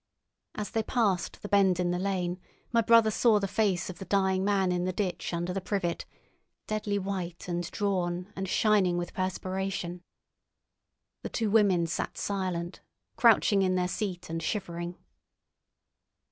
As they passed the bend in the lane my brother saw the face of the dying man in the ditch under the privet, deadly white and drawn, and shining with perspiration. The two women sat silent, crouching in their seat and shivering.